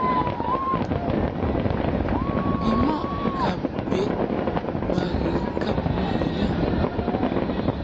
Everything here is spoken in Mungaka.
Bimɔʼ ka bed ma ghe ŋkab ŋgə lɛ.